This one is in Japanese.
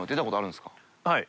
はい。